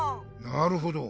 なるほど。